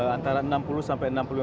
antara enam puluh sampai enam puluh lima